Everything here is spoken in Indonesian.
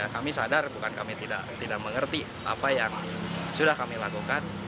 kami sadar bukan kami tidak mengerti apa yang sudah kami lakukan